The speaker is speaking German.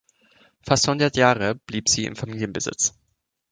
Fast hundert Jahre blieb sie in Familienbesitz.